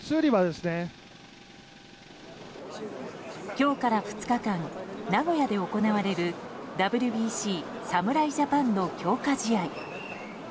今日から２日間名古屋で行われるＷＢＣ、侍ジャパンの強化試合。